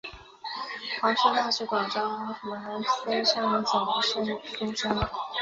黄叔沆是广南省升平府河东县仙江上总盛平社出生。